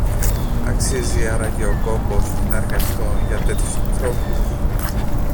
Αξίζει άραγε ο κόπος να εργαστώ για τέτοιους ανθρώπους